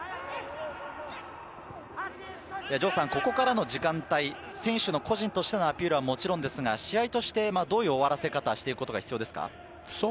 ここからの時間帯、選手の個人としてのアピールはもちろんですが試合としてどういう終わらせ方をしていくことが必要ですか？